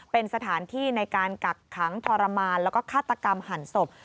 เป็นสถานที่ในการกักขังทรมานแล้วก็ฆาตกรรมหั่นศพ